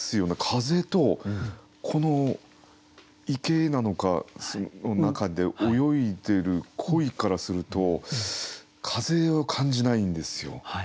風とこの池なのかその中で泳いでる鯉からすると風を感じないんですよ。